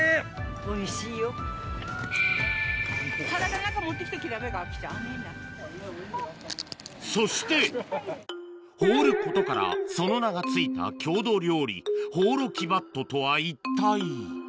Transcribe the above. ・おいしいよ・そして放ることからその名が付いた郷土料理ほうろきばっととは一体？